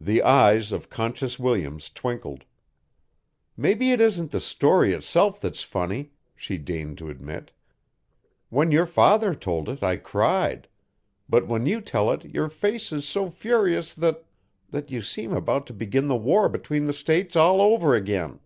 The eyes of Conscience Williams twinkled. "Maybe it isn't the story itself that's funny," she deigned to admit. "When your father told it, I cried but when you tell it your face is so furious that that you seem about to begin the war between the states all over again."